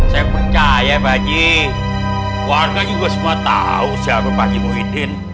saya percaya pak haji keluarga gua semua tahu siapa pak haji mohidin